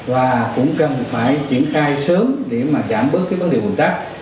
và cũng cần phải triển khai sớm để mà giảm bớt cái vấn đề ủng tắc